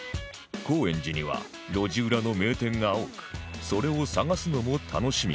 高円寺には路地裏の名店が多くそれを探すのも楽しみの１つ